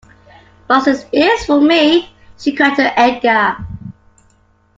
“Box his ears for me!” she cried to Edgar.